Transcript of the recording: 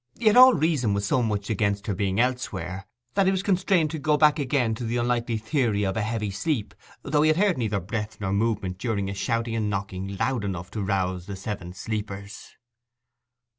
Yet all reason was so much against her being elsewhere, that he was constrained to go back again to the unlikely theory of a heavy sleep, though he had heard neither breath nor movement during a shouting and knocking loud enough to rouse the Seven Sleepers.